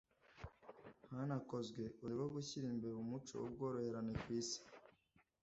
Hanakozwe urugendo rwo gushyira imbere umuco w’ubworoherane ku Isi